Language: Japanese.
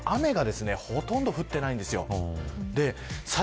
実は雨がほとんど降ってないんですよ。